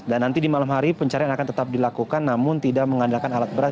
dan nanti di malam hari pencarian akan tetap dilakukan namun tidak mengandalkan alat berat